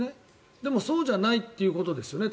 でも、そうじゃないということですよね。